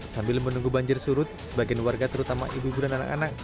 sambil menunggu banjir surut sebagian warga terutama ibu ibu dan anak anak